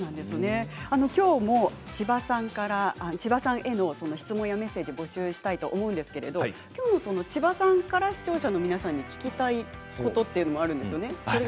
きょうも千葉さんへの質問、メッセージ募集したいと思うんですけど千葉さんから視聴者の皆さんに聞きたいことというのがあるんですよね。